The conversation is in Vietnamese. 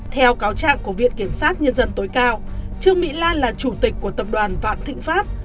theo cáo trạng của viện kiểm sát nhân dân tối cao trương mỹ lan là chủ tịch của tập đoàn vạn thịnh pháp